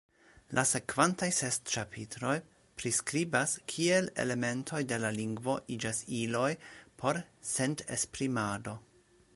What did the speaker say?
La sekvantaj ses ĉapitroj priskribas, kiel elementoj de la lingvo iĝas iloj por sentesprimado.